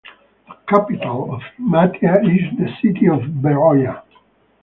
The capital of Imathia is the city of Veroia.